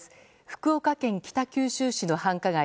福岡県北九州市の繁華街